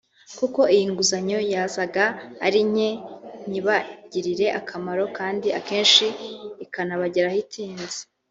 kuko iyi nguzanyo yazaga ari nke ntibagirire akamaro kandi akenshi ikanabageraho itinze